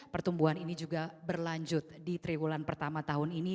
pertumbuhan ini juga berlanjut di triwulan pertama tahun ini